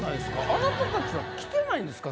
あなたたちは来てないんですか？